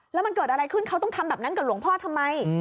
แล้วมันเกิดอะไรขึ้นเขาต้องทำแบบนั้นกับหลวงพ่อทำไม